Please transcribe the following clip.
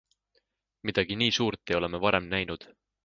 Midagi nii suurt ei ole me varem näinud.